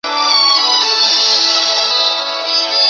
灵鳄的特点在于它非常类似似鸟龙科恐龙。